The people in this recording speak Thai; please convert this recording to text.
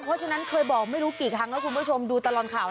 เพราะฉะนั้นเคยบอกไม่รู้กี่ครั้งแล้วคุณผู้ชมดูตลอดข่าว